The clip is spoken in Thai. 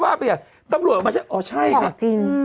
แต่ค่อยว่าไปตำรวจค่อยพาจริง